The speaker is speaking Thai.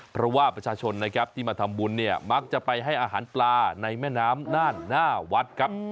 เพราะว่าประชาชนนะครับที่มาทำบุญเนี่ยมักจะไปให้อาหารปลาในแม่น้ำน่านหน้าวัดครับ